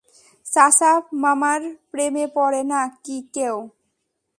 চাচা মামার প্রেমে পড়ে না কি কেউ?